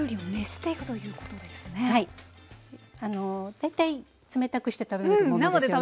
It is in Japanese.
大体冷たくして食べるものですよね。